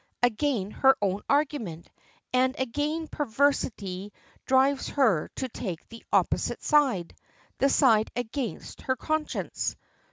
Again her own argument, and again perversity drives her to take the opposite side the side against her conscience.